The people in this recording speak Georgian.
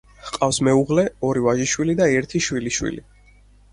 ჰყავს მეუღლე, ორი ვაჟიშვილი და ერთი შვილიშვილი.